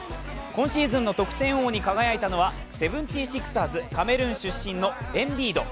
今シーズンの得点王に輝いたのはセブンティシクサーズカメルーン出身のエンビード。